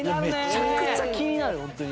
めちゃくちゃ気になるホントに。